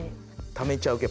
ためちゃう系。